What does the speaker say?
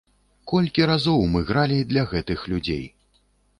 Колькі разоў мы гралі для гэтых людзей!